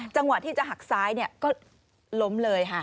จังหวะที่จะหักซ้ายก็ล้มเลยค่ะ